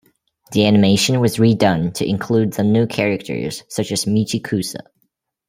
The animation was redone to include the new characters such as Michikusa.